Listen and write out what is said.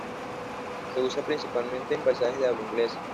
Se usa principalmente en países de habla inglesa.